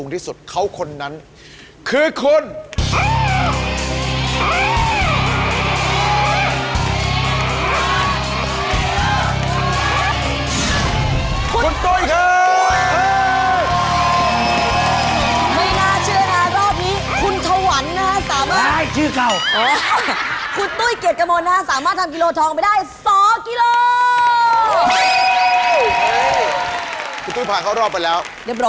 ถ้าพร้อมแล้ว